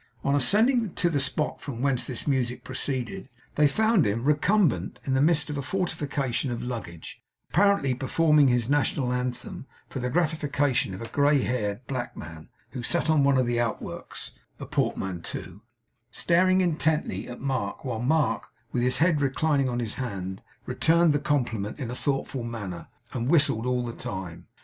On ascending to the spot from whence this music proceeded, they found him recumbent in the midst of a fortification of luggage, apparently performing his national anthem for the gratification of a grey haired black man, who sat on one of the outworks (a portmanteau), staring intently at Mark, while Mark, with his head reclining on his hand, returned the compliment in a thoughtful manner, and whistled all the time.